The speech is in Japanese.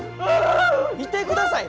見てください。